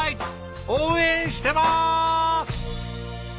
応援してます！